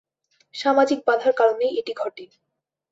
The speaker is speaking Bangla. সামাজিক বাধার কারণেই এটি ঘটে।